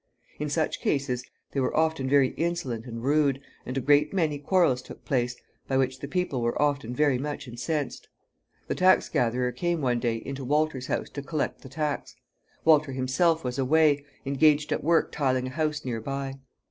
In such cases they were often very insolent and rude, and a great many quarrels took place, by which the people were often very much incensed. The tax gatherer came one day into Walter's house to collect the tax. Walter himself was away, engaged at work tiling a house nearby.